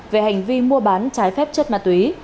về hành vi mua bán trái phép chất ma túy